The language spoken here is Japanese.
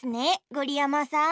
ごりやまさん。